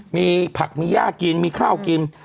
มีผักมีย่ากินมีข้าวกิน